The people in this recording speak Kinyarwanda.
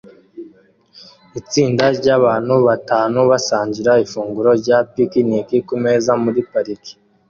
Itsinda ryabantu batanu basangira ifunguro rya picnic kumeza muri parike